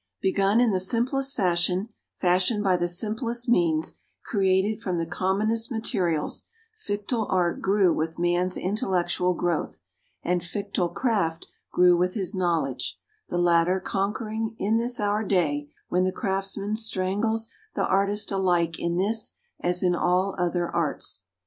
Begun in the simplest fashion, fashioned by the simplest means, created from the commonest materials, Fictile Art grew with man's intellectual growth, and Fictile Craft grew with his knowledge; the latter conquering, in this our day, when the craftsman strangles the artist alike in this as in all other arts.